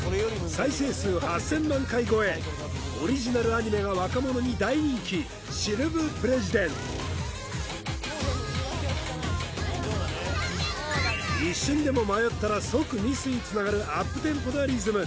再生数８０００万回超えオリジナルアニメが若者に大人気誰ですかあの女一瞬でも迷ったら即ミスにつながるアップテンポなリズム